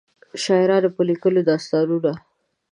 شاعرانو به لیکلو داستانونه.